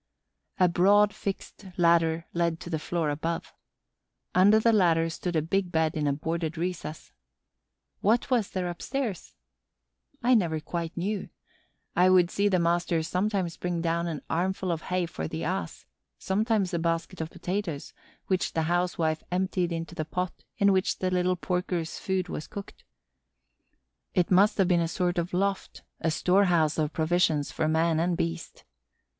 A broad fixed ladder led to the floor above. Under the ladder stood a big bed in a boarded recess. What was there upstairs? I never quite knew. I would see the master sometimes bring down an armful of hay for the Ass, sometimes a basket of potatoes which the housewife emptied into the pot in which the little porkers' food was cooked. It must have been a sort of loft, a storehouse of provisions for man and beast.